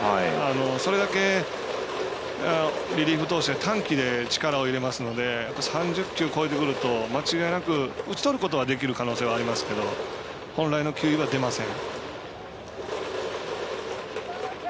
それだけリリーフ投手が短期で力を入れますので３０球を超えてきますと打ち取ることはできる可能性はありますけど本来の球威は出ません。